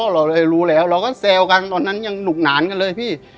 เราเลยรู้แล้วเราก็แซวกันตอนนั้นยังหนุกหนานกันเลยพี่